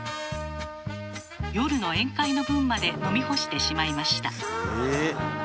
夜の宴会の分まで飲み干してしまいました。